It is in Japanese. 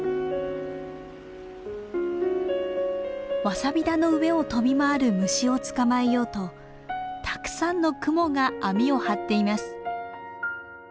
ワサビ田の上を飛び回る虫を捕まえようとたくさんのクモが網を張っています。